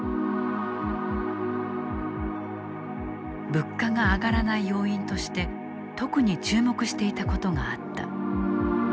物価が上がらない要因として特に注目していたことがあった。